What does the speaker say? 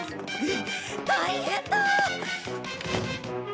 大変だ！